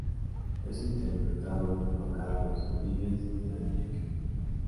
Es interpretado junto a Carlos Vives y Daddy Yankee.